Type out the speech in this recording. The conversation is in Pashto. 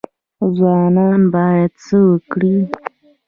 ځوانان باید څه وکړي؟